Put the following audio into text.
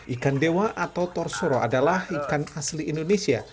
ikan dewa atau torsuro adalah ikan asli indonesia